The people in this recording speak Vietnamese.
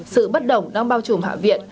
sự bất đồng đang bao trùm hạ viện